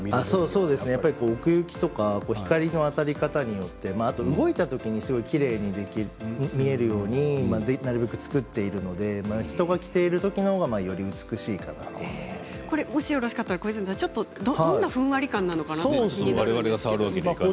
そうですね、奥行きとか光の当たり方によってあと動いたときにすごくきれいに見えるようになるべく作っているので人が着ているときのほうがよろしかったらどんなふんわり感なのかなと気になるんですけども。